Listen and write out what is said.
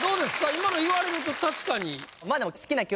今の言われると確かに。